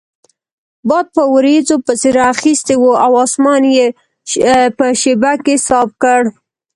باد په وریځو پسې رااخیستی وو او اسمان یې په شیبه کې صاف کړ.